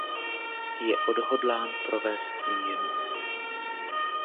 Je odhodlán provést změnu.